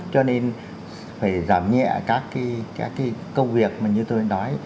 cho nên phải giảm nhẹ các cái công việc mà như tôi đã nói